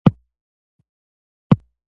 آیا علمي مجلې شته؟